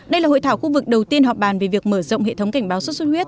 đây là hội thảo khu vực đầu tiên họp bàn về việc mở rộng hệ thống cảnh báo xuất xuất huyết